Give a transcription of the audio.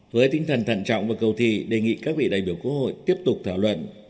với tinh thần thận trọng và cầu thị đề nghị các vị đại biểu quốc hội tiếp tục thảo luận